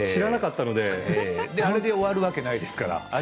あれで終わるわけないですから。